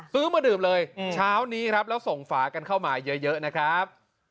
ซื้อมาดื่มเลยเช้านี้ครับแล้วส่งฝากันเข้ามาเยอะนะครับ